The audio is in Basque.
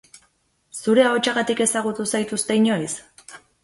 Zure ahotsagatik ezagutu zaituzte inoiz?